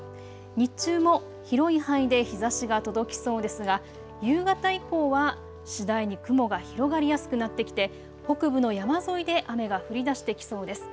日中も広い範囲で日ざしが届きそうですが夕方以降は次第に雲が広がりやすくなってきて北部の山沿いで雨が降りだしてきそうです。